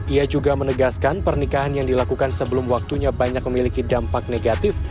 ia juga menegaskan pernikahan yang dilakukan sebelum waktunya banyak memiliki dampak negatif